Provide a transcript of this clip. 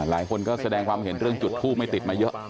หลายคนก็แสดงความเห็นเรื่องจุดทูบไม่ติดมาเยอะ